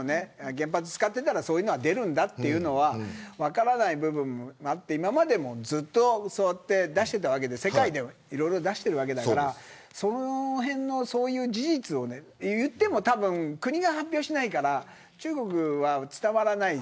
原発使ってたらそういうのは出るんだっていうのは分からない部分もあって今までもそうやって出していたわけで世界でも出してるわけだからそのへんの事実を言ってもたぶん国が発表しないから中国には伝わらない。